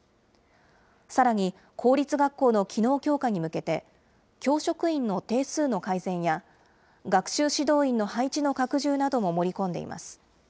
さらに、公立学校の機能強化に向けて、教職員の定数の改善や、学習指導員の配置の拡充なども盛り込んでいます。